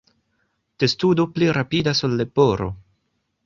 Testudo pli rapidas ol leporo.